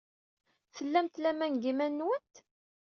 Tlamt laman deg yiman-nwent?